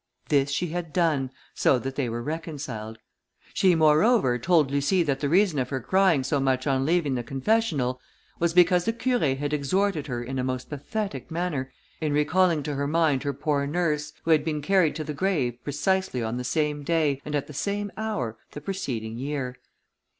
This she had done, so that they were reconciled. She, moreover, told Lucie that the reason of her crying so much on leaving the confessional, was because the Curé had exhorted her in a most pathetic manner, in recalling to her mind her poor nurse, who had been carried to the grave precisely on the same day, and at the same hour, the preceding year.